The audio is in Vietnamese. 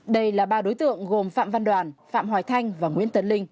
đây là ba đối tượng gồm phạm văn đoàn phạm hoài thanh và nguyễn tấn linh